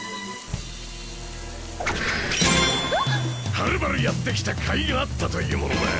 はるばるやって来たかいがあったというものだ。